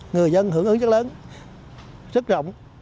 người dân hưởng ứng chất lớn rất rộng